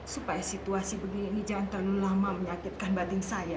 supaya situasi begini jangan terlalu lama menyakitkan badan saya